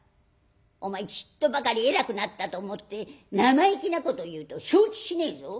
お前ちっとばかり偉くなったと思って生意気なこと言うと承知しねえぞ。